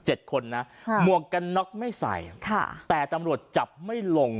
คนนะหมวกกันน็อกไม่ใส่ค่ะแต่ตำรวจจับไม่ลง